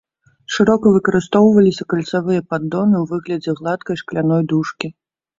Шырока выкарыстоўваліся кальцавыя паддоны ў выглядзе гладкай шкляной дужкі.